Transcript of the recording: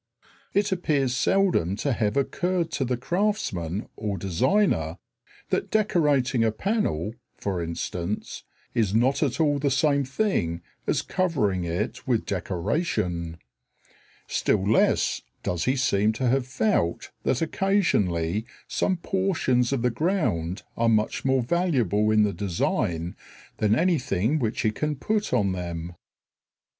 It appears seldom to have occurred to the craftsman or designer that decorating a panel, for instance, is not at all the same thing as covering it with decoration. Still less does he seem to have felt that occasionally some portions of the ground are much more valuable in the design than anything which he can put on them.